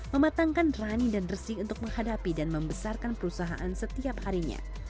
mematangkan rani dan resik untuk menghadapi dan membesarkan perusahaan setiap harinya